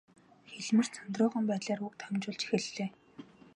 Хэлмэрч сандруухан байдлаар үг дамжуулж эхэллээ.